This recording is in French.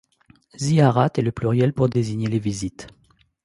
Ziyarates est le pluriel pour désigner les visites.